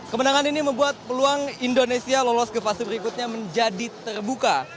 kemenangan ini membuat peluang indonesia lolos ke fase berikutnya menjadi terbuka